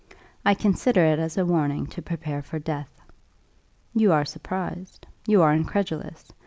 I consider it as a warning to prepare for death. You are surprised you are incredulous.